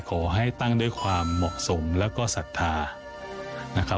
ขอให้ตั้งด้วยความเหมาะสมแล้วก็ศรัทธานะครับ